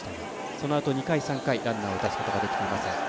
そのあと２回、３回ランナーを出すことができていません。